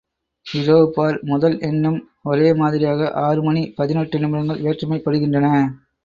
இதோ பார், முதல் எண்ணும் ஒரே மாதிரியாக ஆறு மணி பதினெட்டு நிமிடங்கள் வேற்றுமைப் படுகின்றன.